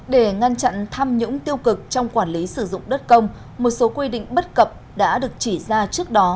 để ngăn chặn tham nhũng tiêu cực trong quản lý sử dụng đất công một số quy định bất cập đã được chỉ ra trước đó